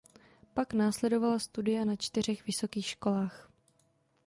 Pak následovala studia na čtyřech vysokých školách.